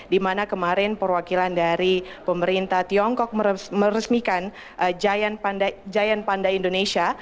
dimana kemarin perwakilan dari pemerintah tiongkok meresmikan giant panda indonesia